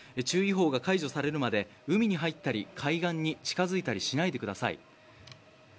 注意報が解除されるまで海に入ったり海岸に近づいたりしないでください。